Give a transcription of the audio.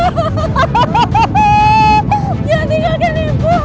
jangan tinggalkan ibu pak